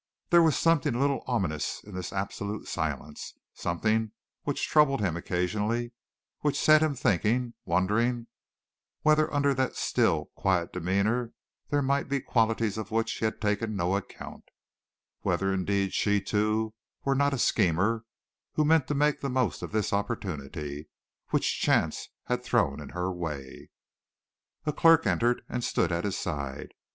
There was something a little ominous in this absolute silence, something which troubled him occasionally, which set him thinking, wondering, whether under that still, quiet demeanor there might be qualities of which he had taken no account, whether indeed she, too, were not a schemer who meant to make the most of this opportunity which chance had thrown in her way. A clerk entered and stood at his side.